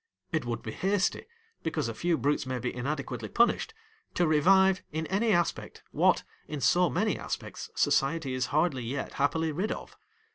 It would be hasty, because a few Drutes may be inadequately punished, to revive, in any aspect, what, in so many aspects, society is hardly yet happily rid of.